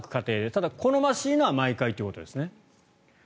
ただ、好ましいのは毎回ということですね。